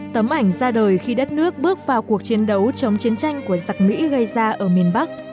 tấm ảnh ra đời khi đất nước bước vào cuộc chiến đấu chống chiến tranh của giặc mỹ gây ra ở miền bắc